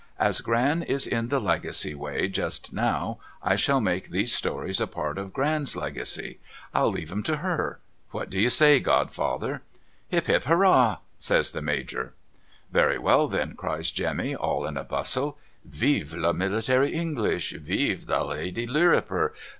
As Gran is in the Legacy way just now, I shall make these stories a part of Gran's Legacy. I'll leave 'em to her. AVhat do you say godfather ?'' Hip hip Hurrah !' says the Major. ' Very well then,' cries Jemmy all in a bustle. ' Vive the Military English ! Vive the Lady Lirriper